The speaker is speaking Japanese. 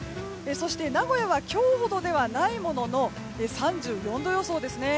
そして名古屋は今日ほどではないものの３４度予想ですね。